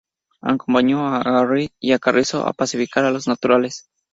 Acompañó a Aguirre y a Carrizo a pacificar a los naturales.